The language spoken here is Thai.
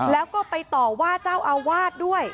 แล้วก็ไปต่อว่าเจ้าอาวาสด้วย